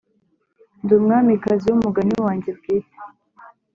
ndi umwamikazi wumugani wanjye bwite.